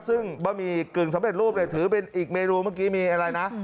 ซึ่งบะหมี่กึ่งสำเร็จรูปเนี่ยถือเป็นอีกเมนูเมื่อกี้มีอะไรนะ